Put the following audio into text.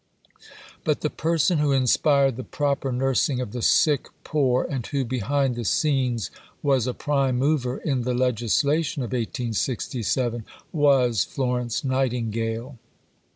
But the person who inspired the proper nursing of the sick poor, and who, behind the scenes, was a prime mover in the legislation of 1867, was Florence Nightingale.